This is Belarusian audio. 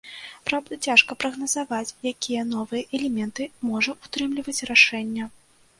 Праўда, цяжка прагназаваць, якія новыя элементы можа ўтрымліваць рашэнне.